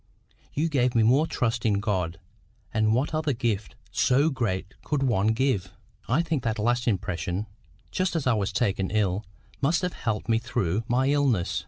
You gave me more trust in God; and what other gift so great could one give? I think that last impression, just as I was taken ill, must have helped me through my illness.